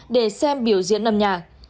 để xem biểu diễn âm nhạc